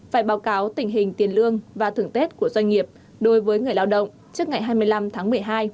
phải báo cáo tình hình tiền lương và thưởng tết của doanh nghiệp đối với người lao động trước ngày hai mươi năm tháng một mươi hai